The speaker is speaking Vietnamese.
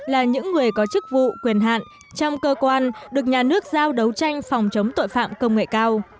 là những người có chức vụ quyền hạn trong cơ quan được nhà nước giao đấu tranh phòng chống tội phạm công nghệ cao